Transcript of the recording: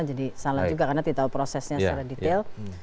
jadi salah juga karena tidak tahu prosesnya secara detail